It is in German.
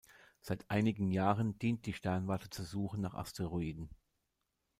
Seit einigen Jahren dient die Sternwarte zur Suche nach Asteroiden.